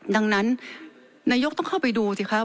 ดังนั้นนายกต้องเข้าไปดูสิคะ